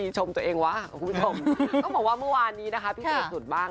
ชมตัวเองว้าก้นว่าเมื่อวานนี้พิเศษสุดบ้าง